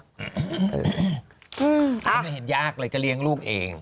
อ้ยวินิดที่เห็นยากเลยก็เรียงลูกเอง